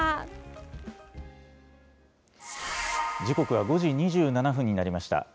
時刻は５時２７分になりました。